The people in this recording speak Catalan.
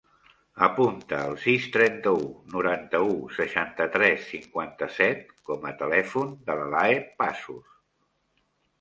Apunta el sis, trenta-u, noranta-u, seixanta-tres, cinquanta-set com a telèfon de l'Alae Pazos.